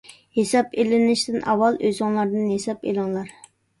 ھېساب ئېلىنىشتىن ئاۋۋال ئۆزۈڭلاردىن ھېساب ئېلىڭلار.